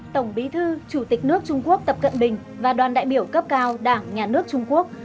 tổng bí thư chủ tịch nước trung quốc tập cận bình và đoàn đại biểu cấp cao đảng nhà nước trung quốc